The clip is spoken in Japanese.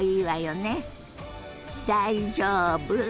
「大丈夫？」。